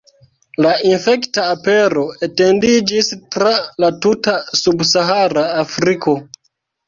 La infekta apero etendiĝis tra la tuta Subsahara Afriko.